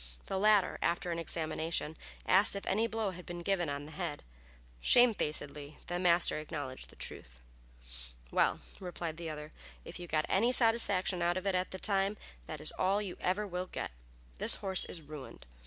The latter, after an examination, asked if any blow had been given on the head. Shamefacedly the master acknowledged the truth. "Well," replied the other, "if you got any satisfaction out of it at the time it is all you ever will get. This horse is ruined.